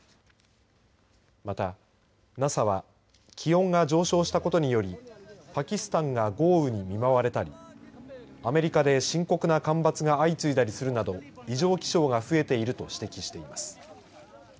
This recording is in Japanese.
また、ＮＡＳＡは気温が上昇したことによりパキスタンが豪雨に見舞われたりアメリカで深刻な干ばつが相次いだりするなど異常気象が増えていると指摘しています。